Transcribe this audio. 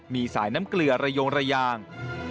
มีสายน้ำเกลือระยงระยาง